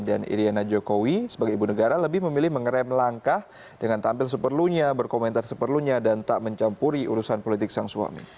dan iryana jokowi sebagai ibu negara lebih memilih mengeram langkah dengan tampil seperlunya berkomentar seperlunya dan tak mencampuri urusan politik sang suami